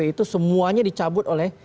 itu semuanya dicabut oleh